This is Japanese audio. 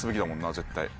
絶対。